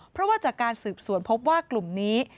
เพราะว่าจากการสืบสวนพบว่ากลุ่มนี้